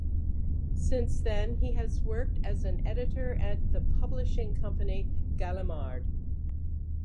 Since then he has worked as an editor at the publishing company Gallimard.